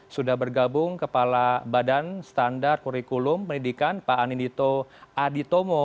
sudah bergabung kepala badan standar kurikulum pendidikan pak anindito aditomo